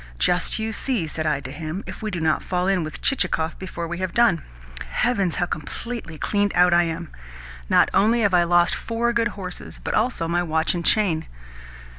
'Just you see,' said I to him, 'if we do not fall in with Chichikov before we have done.' Heavens, how completely cleaned out I am! Not only have I lost four good horses, but also my watch and chain."